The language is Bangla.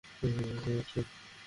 তুমি কি বুঝতে পারছ?